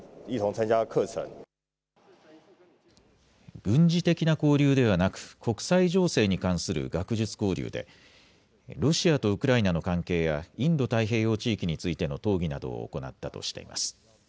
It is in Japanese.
軍事的な交流ではなく国際情勢に関する学術交流でロシアとウクライナの関係やインド太平洋地域についての討議などを行ったとしています。